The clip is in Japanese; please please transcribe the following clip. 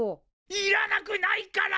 いらなくないから！